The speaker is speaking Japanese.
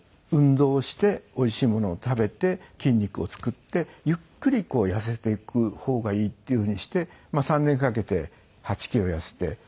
運動をしておいしいものを食べて筋肉を作ってゆっくり痩せていく方がいいっていうふうにして３年かけて８キロ痩せて。